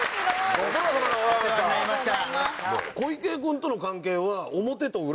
ご苦労さまでございました。